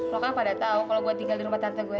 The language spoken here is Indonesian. lo kan pada tahu kalau gue tinggal di rumah tante gue